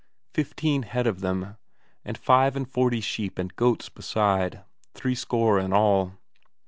Fifteen head of them, and five and forty sheep and goats besides; threescore in all.